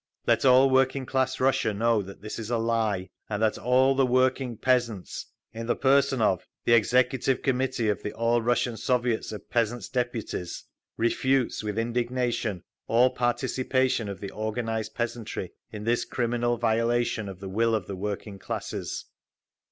Let all working class Russia know that this is a LIE, AND THAT ALL THE WORKING PEASANTS—in the person of—the EXECUTIVE COMMITTEE OF THE ALL RUSSIAN SOVIETS OF PEASANTS' DEPUTIES—refutes with indignation all participation of the organised peasantry in this criminal violation of the will of the working classes….